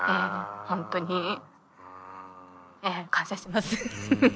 本当に感謝します。